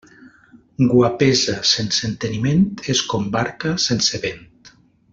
Guapesa sense enteniment és com barca sense vent.